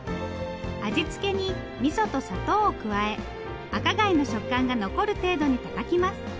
味付けにみそと砂糖を加え赤貝の食感が残る程度にたたきます。